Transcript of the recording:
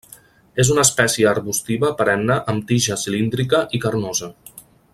És una espècie arbustiva perenne amb tija cilíndrica i carnosa.